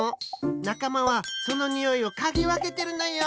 なかまはそのにおいをかぎわけてるのよ！